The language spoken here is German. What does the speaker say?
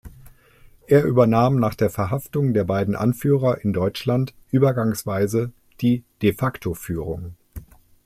Er übernahm nach der Verhaftung der beiden Anführer in Deutschland übergangsweise die De-facto-Führung.